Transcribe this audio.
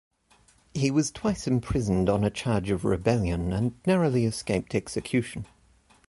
He was twice imprisoned on a charge of rebellion, and narrowly escaped execution.